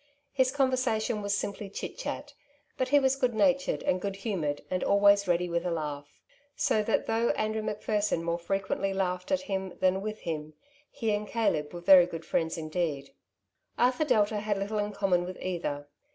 His conversation was simply chit chat; but he was good natured, and good humoured, and always ready with a laugh. So that though Andrew Macpherson more frequently laughed at him than with him, he and Caleb were very good friends indeed. Arthur Delta had little in common with either.